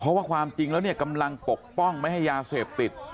เพราะว่าความจริงแล้วเนี่ยกำลังปกป้องไม่ให้ยาเสพติด